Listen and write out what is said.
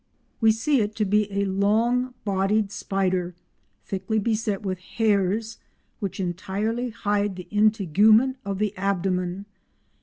We see it to be a long bodied spider thickly beset with hairs which entirely hide the integument of the abdomen.